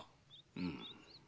うん。